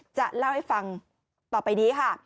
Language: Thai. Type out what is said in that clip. จะเล่าให้ฟังต่อไปนี้ค่ะ